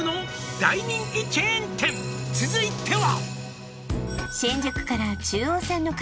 「続いては」